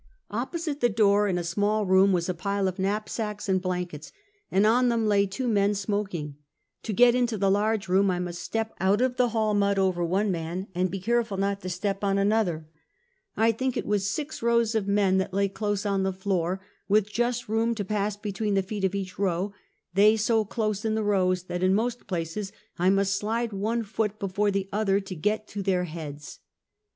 Oppo site the door, in a small room, was a pile of knap sacks and blankets ; and on them lay two men smok ing. To get into the large room, I must step out of the hall mud over one man, and be careful not to step on another. I think it was six rows of men that lay close on the floor, with just room to pass between the feet of each row; they so close in the rows that in most places I must slide one foot before the other to get to their heads.